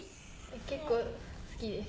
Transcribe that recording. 結構好きです。